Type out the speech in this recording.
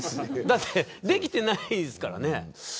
だってできていないですからね。